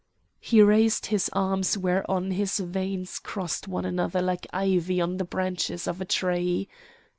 He raised his arms whereon his veins crossed one another like ivy on the branches of a tree.